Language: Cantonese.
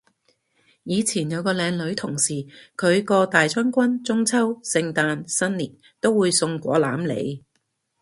以前有個靚女同事，佢個大將軍中秋聖誕新年都會送果籃嚟